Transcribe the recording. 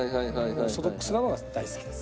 オーソドックスなのが大好きです。